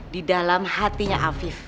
di dalam hatinya afif